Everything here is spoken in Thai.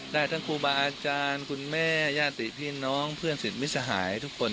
ได้ทั้งครูบาอาจารย์คุณแม่ญาติพี่น้องเพื่อนสิทธิ์มิสหายทุกคน